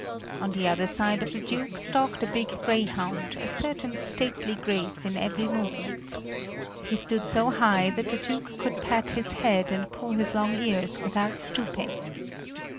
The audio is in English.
On the other side of the Duke stalked a big greyhound, a certain stately grace in every movement. He stood so high that the Duke could pat his head and pull his long ears without stooping.